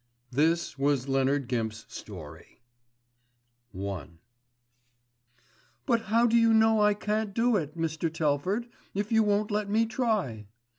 This was Leonard Gimp's story: *I* "But how do you know I can't do it, Mr. Telford, if you won't let me try?"